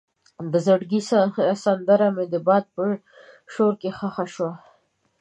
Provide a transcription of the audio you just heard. د زړګي سندره مې د باد په شور کې ښخ شوه.